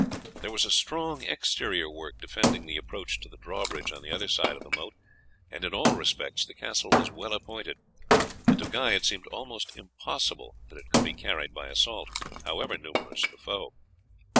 There was a strong exterior work defending the approach to the drawbridge on the other side of the moat, and in all respects the castle was well appointed, and to Guy it seemed almost impossible that it could be carried by assault, however numerous the foe.